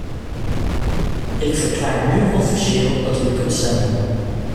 Ik verklaar nu officieel dat u kunt stemmen.